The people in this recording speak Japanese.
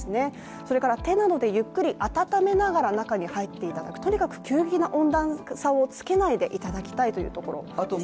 それから手などでゆっくり温めながら中に入っていただく、とにかく急激な温暖さをつけないでいただきたいというところですね。